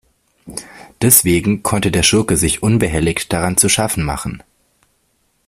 Deswegen konnte der Schurke sich unbehelligt daran zu schaffen machen.